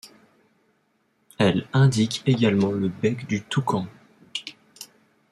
Elle indique également le bec du toucan.